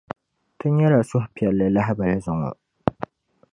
Ti nyɛla suhupiεlli lahibali zuŋɔ.